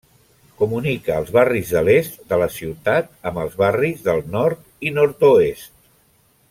Comunica els barris de l'est de la ciutat amb els barris del nord i nord-oest.